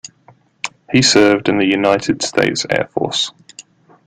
He served in the United States Air Force.